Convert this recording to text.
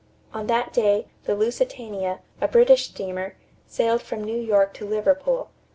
On that day, the Lusitania, a British steamer, sailed from New York for Liverpool.